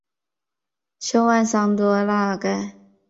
圣万桑多拉尔盖。